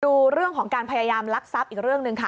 ดูเรื่องของการพยายามลักทรัพย์อีกเรื่องหนึ่งค่ะ